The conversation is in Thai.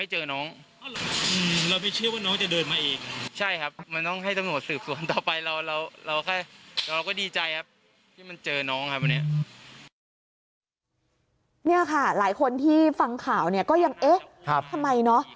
หลายคนที่ฟังข่าวก็ยังเอ๊ะทำไมเนอะ